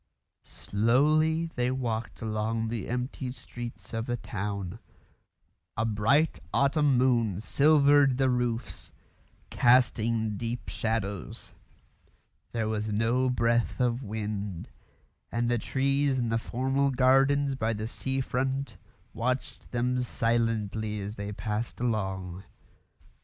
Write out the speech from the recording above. Slowly they walked along the empty streets of the town; a bright autumn moon silvered the roofs, casting deep shadows; there was no breath of wind; and the trees in the formal gardens by the sea front watched them silently as they passed along.